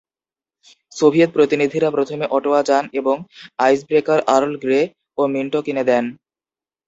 Soviet প্রতিনিধিরা প্রথমে Ottawa যান এবং আইসব্রেকার "আর্ল গ্রে" ও "মিন্টো" কিনে নেন।